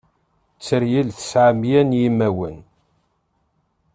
Teryel tesɛa mya n imawen.